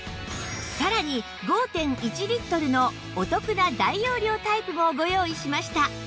さらに ５．１ リットルのお得な大容量タイプもご用意しました